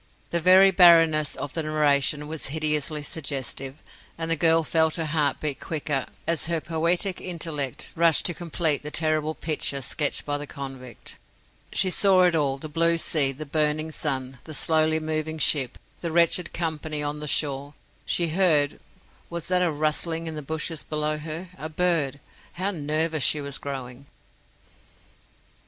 The very barrenness of the narration was hideously suggestive, and the girl felt her heart beat quicker as her poetic intellect rushed to complete the terrible picture sketched by the convict. She saw it all the blue sea, the burning sun, the slowly moving ship, the wretched company on the shore; she heard Was that a rustling in the bushes below her? A bird! How nervous she was growing!